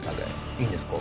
いいんですか？